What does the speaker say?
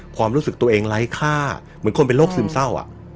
ความรู้สึกตัวเองไร้ค่าเหมือนคนเป็นโรคซึมเศร้า